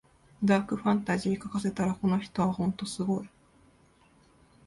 ダークファンタジー書かせたらこの人はほんとすごい